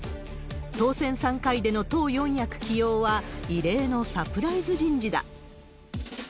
当選３回での党四役起用は、異例のサプライズ人事だ。